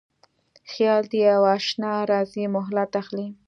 خیال د یواشنا راځی مهلت اخلي